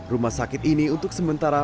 rumah sakit ini untuk sementara